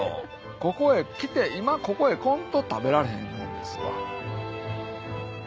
ここへ来て今ここへ来んと食べられへんもんですわ。